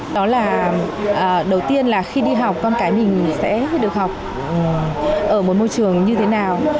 đó là đầu tiên là khi đi học con cái mình sẽ được học ở một môi trường như thế nào